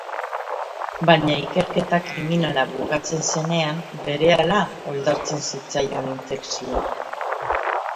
Baina ikerketa kriminala bukatzen zenean berehala oldartzen zitzaion infekzioa.